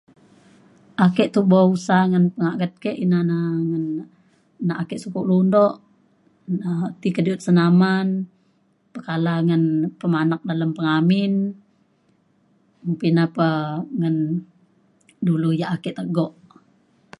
ake tubo usa ngan magat ke ina na ngan nak ake sukup lundok na ti kediut senaman pekala ngan pemanak dalem amin pa ina pa ngan dulu yak ake tegok